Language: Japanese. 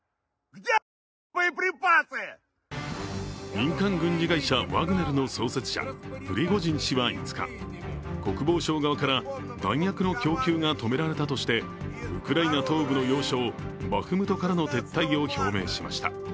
民間軍事会社ワグネルの創設者、プリゴジン氏は５日国防省側から弾薬の供給が止められたとしてウクライナ東部の要衝バフムトからの撤退を表明しました。